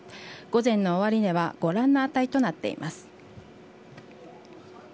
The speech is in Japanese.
午前の終値はご覧の値となっています。